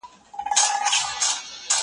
که موضوع اسانه وي نو څېړنه ژر خلاصېږي.